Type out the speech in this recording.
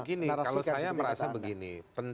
begini kalau saya merasa begini